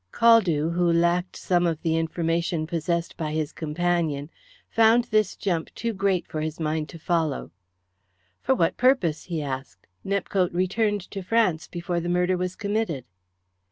Caldew, who lacked some of the information possessed by his companion, found this jump too great for his mind to follow. "For what purpose?" he asked. "Nepcote returned to France before the murder was committed."